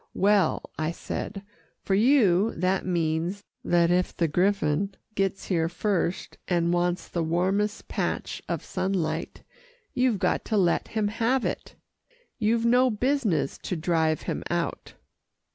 "Well," I said, "for you, that means that if the griffon gets here first, and wants the warmest patch of sunlight, you've got to let him have it. You've no business to drive him out."